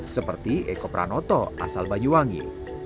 seperti eko pranoto asal banyuwangi